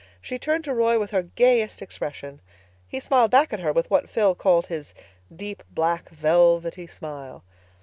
She turned to Roy with her gayest expression. He smiled back at her with what Phil called "his deep, black, velvety smile."